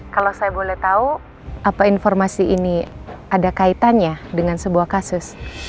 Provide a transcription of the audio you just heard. kalau saya boleh tahu apa informasi ini ada kaitannya dengan sebuah kasus